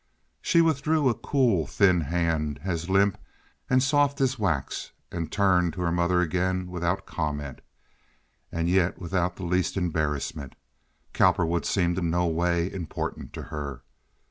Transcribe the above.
She withdrew a cool, thin hand as limp and soft as wax, and turned to her mother again without comment, and yet without the least embarrassment. Cowperwood seemed in no way important to her.